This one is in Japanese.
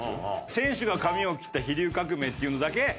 選手が髪を切った飛龍革命っていうのだけ違う。